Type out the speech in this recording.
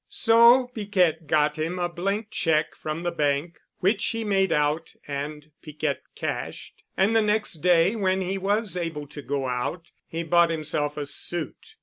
So Piquette got him a blank check from the bank which he made out and Piquette cashed, and the next day when he was able to go out, he bought himself a suit.